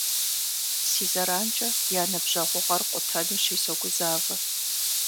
Си зэранкӏэ я ныбжьэгъугъэр къутэнущи согузавэ.